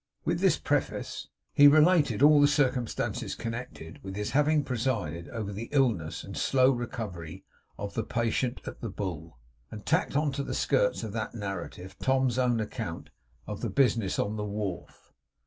With this preface, he related all the circumstances connected with his having presided over the illness and slow recovery of the patient at the Bull; and tacked on to the skirts of that narrative Tom's own account of the business on the wharf.